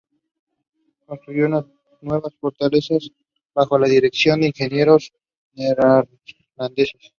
Construyó nuevas fortalezas, bajo la dirección de ingenieros neerlandeses.